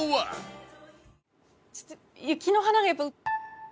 ちょっと『雪の華』がやっぱ。